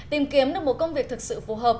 tìm kiếm được một công việc thực sự phù hợp